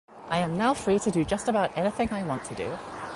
I am now free to do just about anything I want to do.